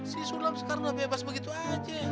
si sulam sekarang udah bebas begitu aja